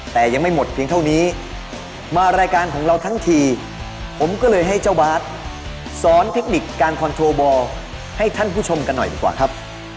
แต่ยังไม่หมดเพียงเท่านี้มารายการของเราทั้งทีผมก็เลยให้เจ้าบาทสอนเทคนิคการคอนโทรบอลให้ท่านผู้ชมกันหน่อยดีกว่าครับ